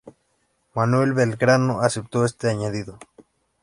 Manuel Belgrano aceptó este añadido.